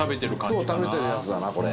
塙：食べてるやつだな、これ。